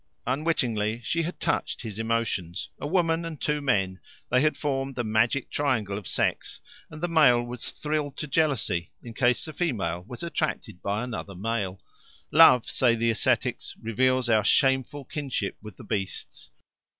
Unwittingly she had touched his emotions. A woman and two men they had formed the magic triangle of sex, and the male was thrilled to jealousy, in case the female was attracted by another male. Love, say the ascetics, reveals our shameful kinship with the beasts.